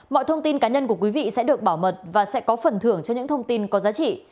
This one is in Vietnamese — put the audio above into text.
mọi thông tin cá nhân của quý vị sẽ được bảo mật và sẽ có phần thưởng cho những thông tin có giá trị